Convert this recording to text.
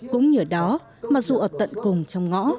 cũng như ở đó mặc dù ở tận cùng trong ngõ